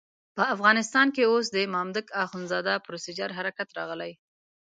په افغانستان کې اوس د مامدک اخندزاده پروسیجر حرکت کې راغلی.